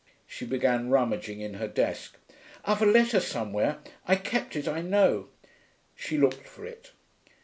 She began rummaging in her desk. 'I've a letter somewhere; I kept it, I know. She looked for it.